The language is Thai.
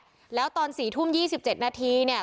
คนเดียวแหละแล้วตอนสี่ทุ่มยี่สิบเจ็ดนาทีเนี่ย